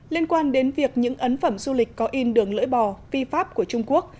liên quan đến việc những ấn phẩm du lịch có in đường lưỡi bò phi pháp của trung quốc